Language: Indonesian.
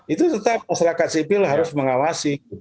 itu tetap masyarakat sipil harus mengawasi